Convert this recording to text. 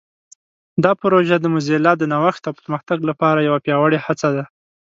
دا پروژه د موزیلا د نوښت او پرمختګ لپاره یوه پیاوړې هڅه ده.